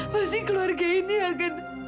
pasti keluarga ini akan